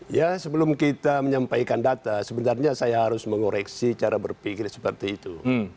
ya sebelum kita menyampaikan data sebenarnya saya harus mengoreksi cara berpikir seperti itu